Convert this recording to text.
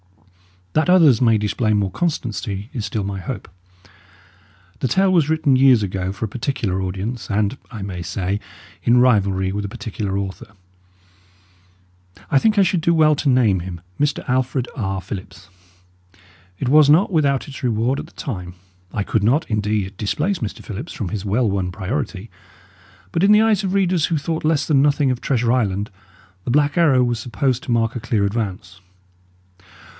That others may display more constancy is still my hope. The tale was written years ago for a particular audience and (I may say) in rivalry with a particular author; I think I should do well to name him, Mr. Alfred R. Phillips. It was not without its reward at the time. I could not, indeed, displace Mr. Phillips from his well won priority; but in the eyes of readers who thought less than nothing of Treasure Island, The Black Arrow was supposed to mark a clear advance.